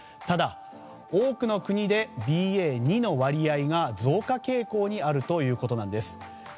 ただ、多くの国でＢＡ．２の割合が増加傾向にあるということなんです。